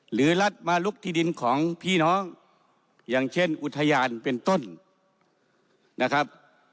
รัฐมาลุกที่ดินของพี่น้องอย่างเช่นอุทยานเป็นต้นนะครับ